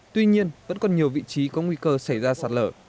tuy nhiên vẫn còn nhiều vị trí có nguy cơ xảy ra sạt lở